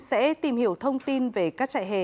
sẽ tìm hiểu thông tin về các chạy hè